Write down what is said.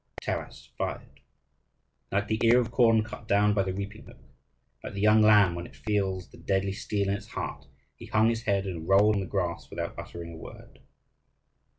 Taras fired. Like the ear of corn cut down by the reaping hook, like the young lamb when it feels the deadly steel in its heart, he hung his head and rolled upon the grass without uttering a word.